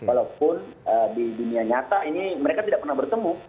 walaupun di dunia nyata ini mereka tidak pernah bertemu